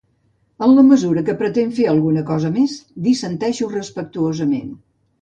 En la mesura que pretén fer alguna cosa més, dissenteixo respectuosament.